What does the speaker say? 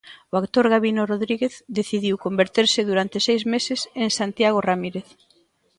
O actor Gabino Rodríguez decidiu converterse, durante seis meses, en Santiago Ramírez.